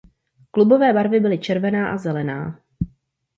Klubové barvy byly červená a zelená.